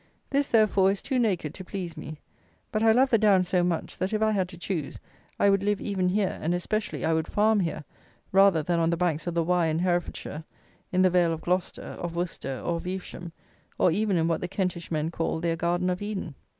This, therefore, is too naked to please me; but I love the downs so much, that, if I had to choose, I would live even here, and especially I would farm here, rather than on the banks of the Wye in Herefordshire, in the vale of Gloucester, of Worcester, or of Evesham, or, even in what the Kentish men call their "garden of Eden."